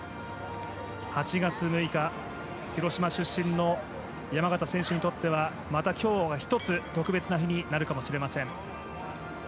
８月６日、広島出身の山縣選手にとってはまた今日は１つ特別な日になるかもしれません。